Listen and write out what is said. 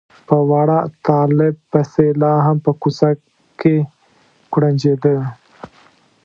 په واړه طالب پسې لا هم په کوڅه کې کوړنجېده.